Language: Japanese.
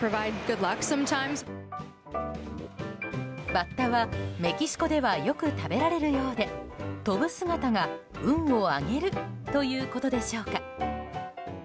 バッタは、メキシコではよく食べられるようで飛ぶ姿が運を上げるということでしょうか。